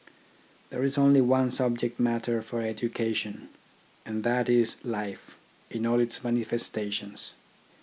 There is only one subject matter for education, and that is Life in all its manifestations.